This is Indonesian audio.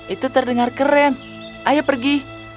itu terdengar keren ayo pergi